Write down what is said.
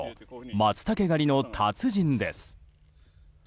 マツタケ狩りの達人です。